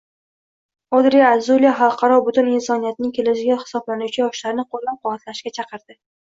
Odre Azule Xalqaro butun insoniyatning kelajagi hisoblanuvchi yoshlarni qoʻllabquvvatlashga chaqirdi.